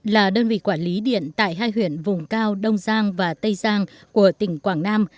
là đơn vị quản lý điện tại hai huyện vùng cao đông giang và tây giang của tỉnh quảng nam